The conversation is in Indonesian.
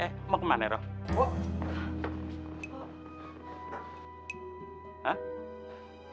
eh eh eh mau ke mana ya rob